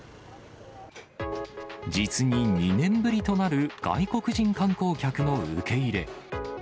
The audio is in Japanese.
実に２年ぶりとなる外国人観光客の受け入れ。